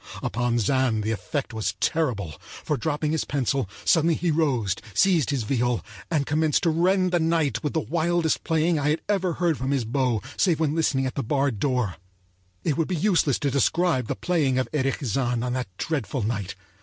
Upon Zann the effect was terrible, for, dropping his pencil, suddenly he rose, seized his viol, and commenced to rend the night with the wildest playing I had ever heard from his bow save when listening at the barred door.It would be useless to describe the playing of Erich Zann on that dreadful night.